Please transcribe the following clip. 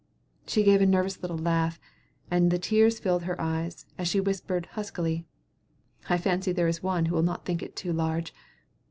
She gave a nervous little laugh, and the tears filled her eyes, as she whispered huskily: "I fancy there is one who will not think it too large.